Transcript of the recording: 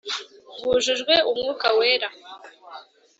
bujujwe Umwuka wera